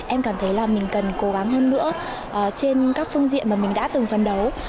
em cảm thấy là mình cần cố gắng hơn nữa trên các phương diện mà mình đã từng phấn đấu